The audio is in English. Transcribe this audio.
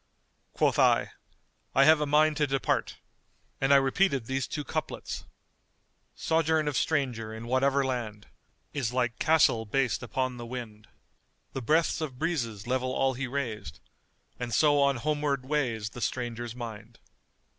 Quoth I, I have a mind to depart; and I repeated these two couplets:— Sojourn of stranger, in whatever land, * Is like the castle based upon the wind: The breaths of breezes level all he raised. * And so on homeward way's the stranger's mind.